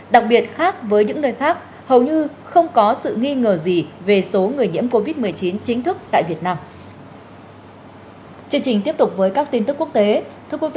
đặc biệt khác với những nơi khác hầu như không có sự nghi ngờ gì về số người nhiễm covid một mươi chín chính thức tại việt nam